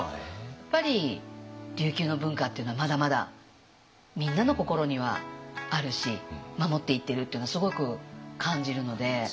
やっぱり琉球の文化っていうのはまだまだみんなの心にはあるし守っていってるっていうのはすごく感じるので。